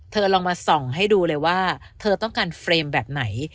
ลองมาส่องให้ดูเลยว่าเธอต้องการเฟรมแบบไหน